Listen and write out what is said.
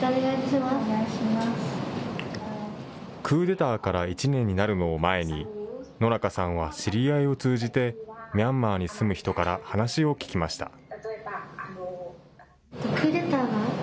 クーデターから１年になるのを前に野中さんは知り合いを通じてミャンマーに住む人から話を聞きました。